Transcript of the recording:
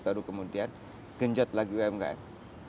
baru kemudian genjot lagi umkm